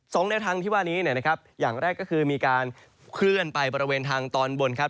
แนวทางที่ว่านี้เนี่ยนะครับอย่างแรกก็คือมีการเคลื่อนไปบริเวณทางตอนบนครับ